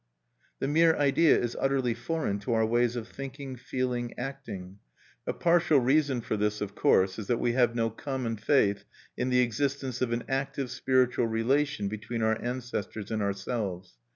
The mere idea is utterly foreign to our ways of thinking, feeling, acting. A partial reason for this, of course, is that we have no common faith in the existence of an active spiritual relation between our ancestors and ourselves.